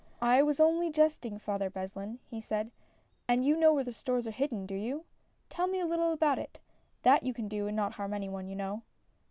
" I was only jesting. Father Beslin," he said. " And you know where stores are hidden, do you ? Tell me a little about it, — that you can do and not harm any one, you know."